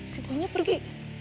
si boynya pergi